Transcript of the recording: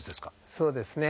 そうですね。